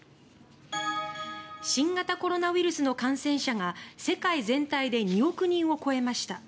新型コロナウイルスの感染者が世界全体で２億人を超えました。